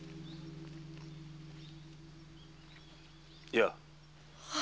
やあ。